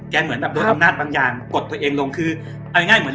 เหมือนแบบโดนอำนาจบางอย่างกดตัวเองลงคือเอาง่ายเหมือน